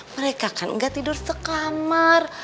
mereka kan nggak tidur sekamar